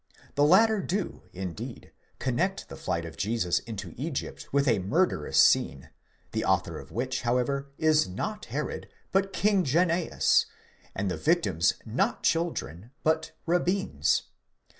The latter do, indeed, connect the flight of Jesus into Egypt with a murderous scene, the author of which, however, is not Herod, but King Janneeus, and the victims not children, but rabbins.